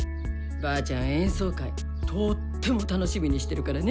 ばあちゃん演奏会とっても楽しみにしてるからね！